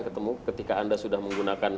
ketemu ketika anda sudah menggunakan